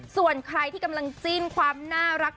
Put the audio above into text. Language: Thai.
ส่วนใครที่กำลังจิ้นความน่ารัก